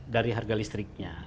dari harga listriknya